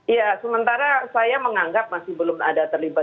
iya sementara saya menganggap masih belum ada terlibat